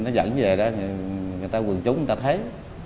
nó dẫn về đó người ta quần trúng người ta thấy